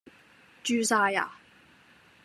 住晒呀